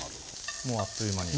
もうあっという間に。